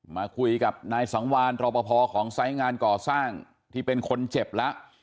มาคุยกับนายสังวานรอปภของไซส์งานก่อสร้างที่เป็นคนเจ็บแล้ว